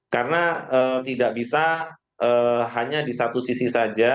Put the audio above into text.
karena tidak bisa hanya di satu sisi saja